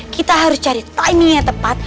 kita harus cari timingnya tepat